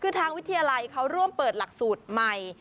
คือทางวิทยาลัยเขาร่วมเปิดหลักสูตรใหม่